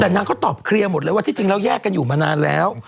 แต่นางก็ตอบเคลียร์หมดเลยว่าที่จริงแล้วแยกกันอยู่มานานแล้ว